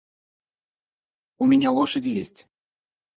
У меня лошади есть.